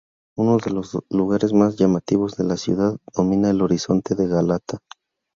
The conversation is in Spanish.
Uno de los lugares más llamativos de la ciudad, domina el horizonte de Gálata.